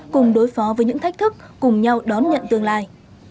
cùng đối phó với những thách thức cùng nhau đón nhận tương lai